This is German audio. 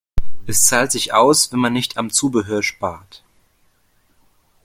Es zahlt sich aus, wenn man nicht am Zubehör spart.